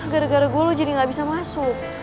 gara gara gue lu jadi gak bisa masuk